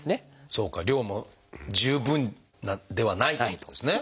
そうか量も十分ではないってことですね。